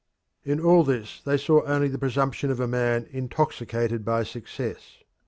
In all this they saw only the presumption of a man intoxicated by success.